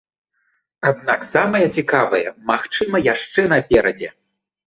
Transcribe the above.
Аднак самае цікавае, магчыма, яшчэ наперадзе.